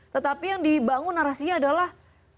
tetapi yang dibangun narasinya adalah